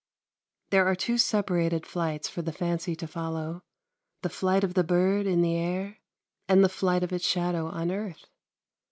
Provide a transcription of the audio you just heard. There are two separated flights for the fancy to follow, the flight of the bird in the air, and the flight of its shadow on earth.